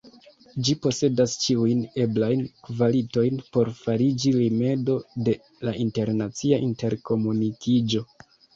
Ĝi posedas ĉiujn eblajn kvalitojn por fariĝi rimedo de la internacia interkomunikiĝo.